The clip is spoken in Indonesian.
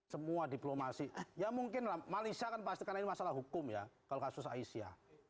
semua diplomasi ya mungkin lah malaysia kan pasti karena ini masalah hukum ya kalau kasus aisyah